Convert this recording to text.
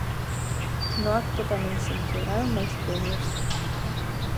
No acto tamén se entregaron máis premios.